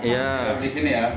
masih darah gitu